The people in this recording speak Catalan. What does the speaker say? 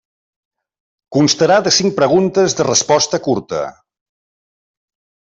Constarà de cinc preguntes de resposta curta.